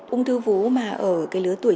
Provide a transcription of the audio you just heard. ung thư vú mà ở cái lứa tuổi